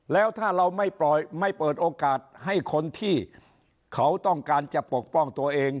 แล้วถ้าเราไม่เปิดโอกาสให้คนที่เขาต้องการจะปกป้องตัวเอง